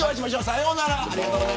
さようなら。